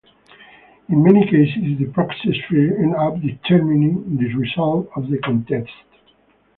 In many cases, the proxy firms end up determining the result of the contest.